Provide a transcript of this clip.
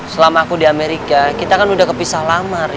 selama aku di amerika kita kan udah kepisah lamar